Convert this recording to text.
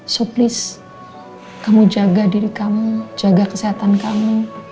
so please kamu jaga diri kamu jaga kesehatan kamu